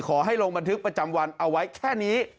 ขอให้ลงบันทึกประจำวันเอาไว้แค่นี้